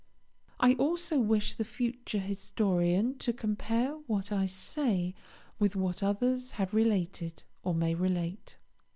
I also wish the future historian to compare what I say with what others have related or may relate.